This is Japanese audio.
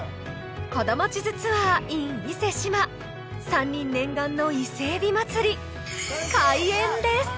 『子ども地図ツアーｉｎ伊勢志摩』３人念願の伊勢エビ祭り開宴です！